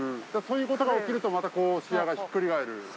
そういうことが起きるとまた試合がひっくり返る。